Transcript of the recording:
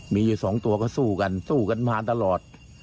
ไปฟังชาวบ้านเขาหน่อยค่ะ